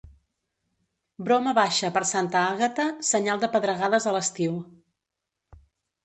Broma baixa per Santa Àgata, senyal de pedregades a l'estiu.